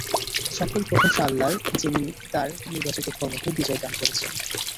সকল প্রশংসা আল্লাহর, যিনি তার নির্বাচিত ধর্মকে বিজয় দান করেছেন।